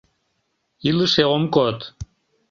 Илыше ом код...